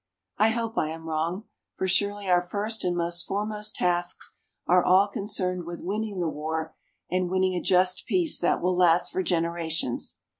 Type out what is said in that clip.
I hope I am wrong. For, surely, our first and most foremost tasks are all concerned with winning the war and winning a just peace that will last for generations.